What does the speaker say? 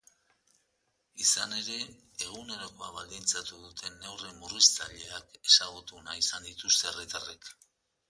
Izan ere, egunerokoa baldintzatu duten neurri murriztaileak ezagutu nahi izan dituzte herritarrek.